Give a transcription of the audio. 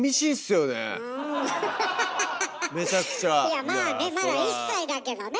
いやまあねまだ１歳だけどね？